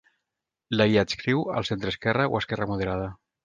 La hi adscriu al centreesquerra o esquerra moderada.